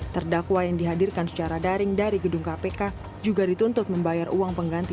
terdakwa yang dihadirkan secara daring dari gedung kpk juga dituntut membayar uang pengganti